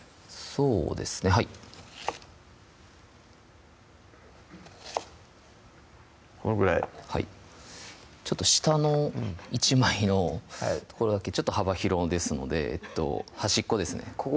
そうですねはいこのぐらいはいちょっと下の１枚の所だけちょっと幅広ですので端っこですねここ？